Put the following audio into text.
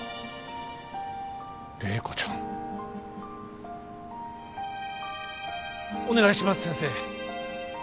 麗子ちゃん。お願いします先生。